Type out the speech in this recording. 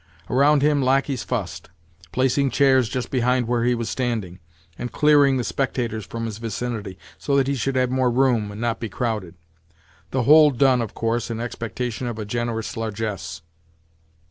Around him lacqueys fussed—placing chairs just behind where he was standing—and clearing the spectators from his vicinity, so that he should have more room, and not be crowded—the whole done, of course, in expectation of a generous largesse.